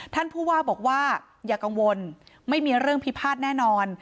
ท่านผู้ว่าบอกว่าอย่ากังวลไม่มีเรื่องพิพาทแน่นอน